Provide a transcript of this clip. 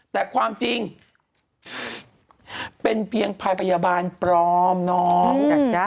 แต่ความจริงเป็นเพียงพยาบาลปลอมน้อง